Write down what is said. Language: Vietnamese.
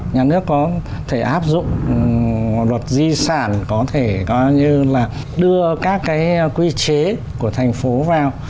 nhà nước có thể áp dụng luật di sản có thể có như là đưa các cái quy chế của thành phố vào